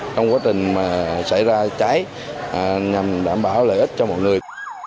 trong quá trình xảy ra cháy nhằm đảm bảo lợi ích cho mọi người